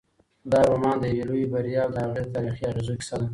دا رومان د یوې لویې بریا او د هغې د تاریخي اغېزو کیسه ده.